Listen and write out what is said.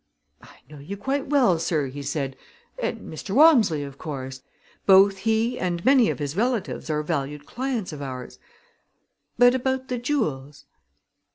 "I know you quite well, sir," he said, "and Mr. Walmsley, of course; both he and many of his relatives are valued clients of ours. But about the jewels?"